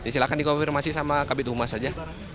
silahkan dikonfirmasi sama kabit humas aja